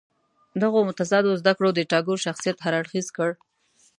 دغو متضادو زده کړو د ټاګور شخصیت هر اړخیز کړ.